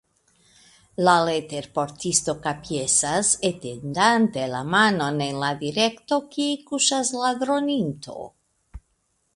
La leterportisto kapjesas, etendante la manon en la direkto, kie kuŝas la droninto.